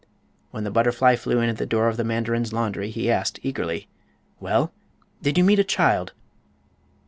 When the butterfly flew in at the door of the mandarin's laundry he asked, eagerly: "Well, did you meet a child?"